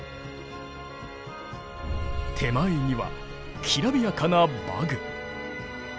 手前にはきらびやかな馬具。